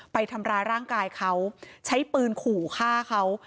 ไปทำร้ายร่างกายเขาใช้ปืนขู่ฆ่าเขา